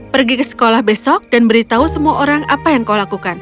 pergi ke sekolah besok dan beritahu semua orang apa yang kau lakukan